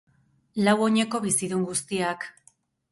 Lau oineko bizidun guztiak.